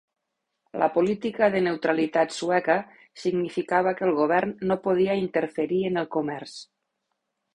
La política de neutralitat sueca significava que el govern no podia interferir en el comerç.